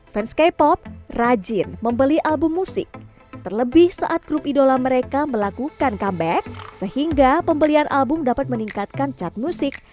fans k pop rajin membeli album musik terlebih saat grup idola mereka melakukan comeback sehingga pembelian album dapat meningkatkan cat musik